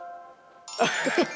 アッハハ！